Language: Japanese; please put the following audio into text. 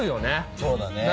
そうだね。